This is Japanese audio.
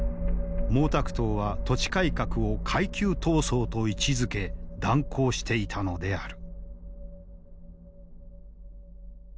毛沢東は土地改革を階級闘争と位置づけ断行していたのである。